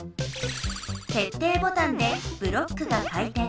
けっていボタンでブロックが回転。